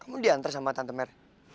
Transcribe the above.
kemudian diantar sama tante mer